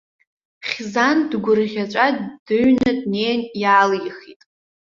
Хьзан дгәырӷьаҵәа дыҩны днеин иаалихит.